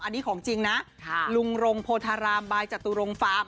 อันนี้ของจริงนะลุงรงโพธารามบายจตุรงฟาร์ม